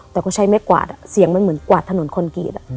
แต่ก็ใช้ไม่กวาดเสียงมันเหมือนกวาดถนนคอนกรีต